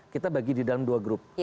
kita bagi di dalam dua grup